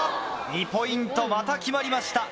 ２ポイントまた決まりました。